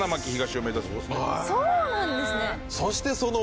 そうなんですね！